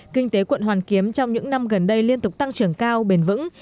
kinh tế quận hoàn kiếm trong những năm gần đây liên tục tăng trưởng cao bền vững